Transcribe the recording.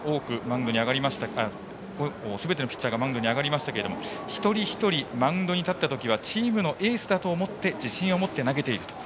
今日はすべてのピッチャーがマウンドに上がりましたが一人一人、マウンドに立った時はチームのエースだと思って自信を持って投げていると。